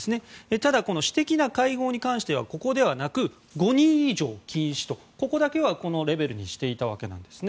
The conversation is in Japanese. ただ、私的な会合に関しては５人以上禁止とここだけはこのレベルにしていたわけなんですね。